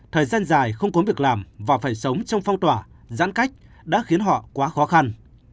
thời gian dài không có việc làm và phải sống trong phong tỏa giãn cách đã khiến họ quá khó khăn